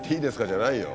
じゃないよ。